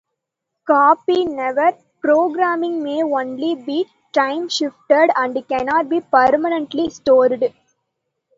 "Copy never" programming may only be timeshifted and cannot be permanently stored.